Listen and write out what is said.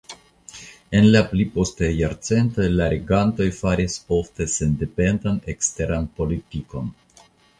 En la pli postaj jarcentoj la regantoj faris ofte sendependan eksteran politikon.